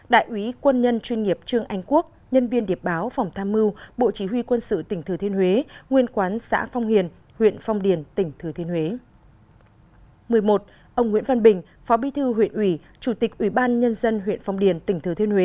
đại úy quân nhân chuyên nghiệp trương anh quốc nhân viên điệp báo phòng tham mưu bộ chỉ huy quân sự tỉnh thừa thiên huế nguyên quán xã phong hiền huyện phong điền tỉnh thừa thiên huế